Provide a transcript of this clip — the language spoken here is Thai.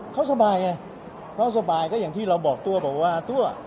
เขาสบายไงเขาสบายก็อย่างที่เราบอกตัวบอกว่าตัว